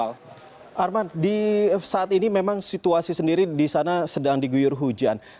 arman saat ini memang situasi sendiri di sana sedang diguyur hujan